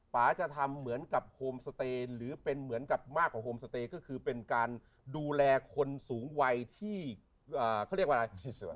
จะทำเหมือนกับโฮมสเตย์หรือเป็นเหมือนกับมากกว่าโฮมสเตย์ก็คือเป็นการดูแลคนสูงวัยที่เขาเรียกว่าอะไร